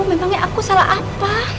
memangnya aku salah apa